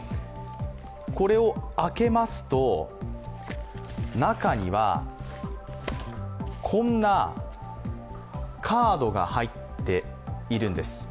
これを開けますと、中にはこんなカードが入っているんです。